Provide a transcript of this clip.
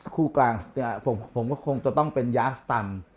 คู่กลางผมก็คงจะต้องเป็นยาร์ฟสตัม